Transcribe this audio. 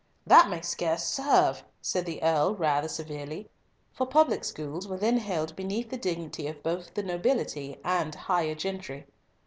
"That may scarce serve," said the Earl rather severely, for public schools were then held beneath the dignity of both the nobility and higher gentry.